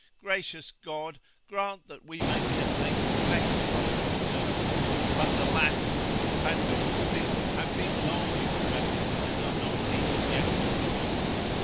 Gracious God, grant that we may be at length blessed by your return I but, alas! the Pandora's people have been long expected, and are not even yet arrived.